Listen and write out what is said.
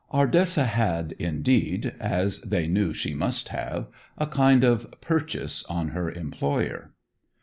Ardessa had, indeed, as they knew she must have, a kind of "purchase" on her employer.